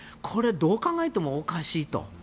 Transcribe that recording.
これはどう考えてもおかしいと。